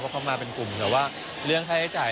เขามาเป็นกลุ่มแต่ว่าเรื่องค่าใช้จ่าย